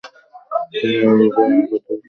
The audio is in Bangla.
তিনি উপাদানের কথা উল্লেখ করে